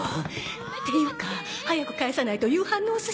っていうか早く帰さないと夕飯のお寿司が届いちゃう